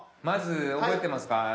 まず覚えてますか？